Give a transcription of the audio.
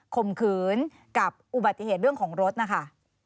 ข่มขืนกับอุบัติเหตุเรื่องของรถนะคะ